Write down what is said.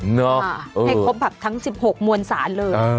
ให้ครบแบบทั้ง๑๖มวลสารเลย